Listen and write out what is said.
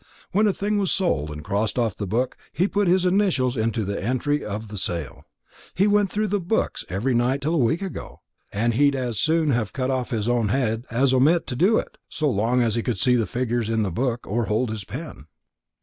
When a thing was sold and crossed off the book, he put his initials to the entry of the sale. He went through the books every night till a week ago, and he'd as soon have cut his own head off as omit to do it, so long as he could see the figures in the book or hold his pen."